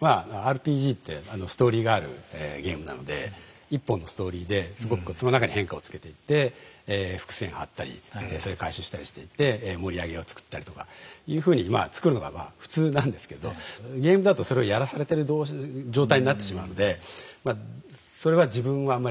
まあＲＰＧってストーリーがあるゲームなので１本のストーリーですごくその中に変化をつけていって伏線張ったりそれ回収したりしていって盛り上げを作ったりとかいうふうにまあ作るのが普通なんですけどゲームだとそれをやらされてる状態になってしまうのでまあそれは自分はあんまり好きじゃないんですね